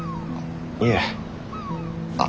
いえあっ